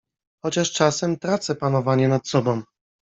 chociaż czasem tracę panowanie nad sobą.